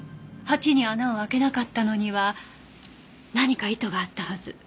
鉢に穴を開けなかったのには何か意図があったはず。